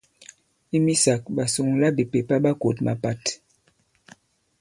I misāk, ɓasuŋlabìpèpa ɓa kǒt mapat.